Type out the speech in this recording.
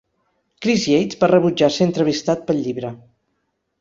Chris Yates va rebutjar ser entrevistat pel llibre.